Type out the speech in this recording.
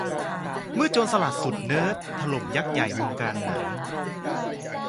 เมื่อโจรสลัดสุดเนิร์ด ถล่มยักษ์ใหญ่วงการหนัง